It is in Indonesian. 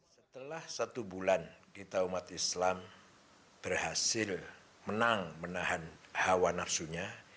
setelah satu bulan kita umat islam berhasil menang menahan hawa nafsunya